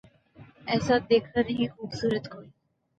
ایسا دیکھا نہیں خوبصورت کوئی